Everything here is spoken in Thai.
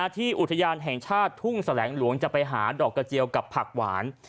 ที่อุทยานแห่งชาติทุ่งแสลงหลวงจะไปหาดอกกระเจียวกับผักหวาน